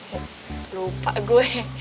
oh lupa gue